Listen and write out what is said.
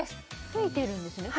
ついてるんですね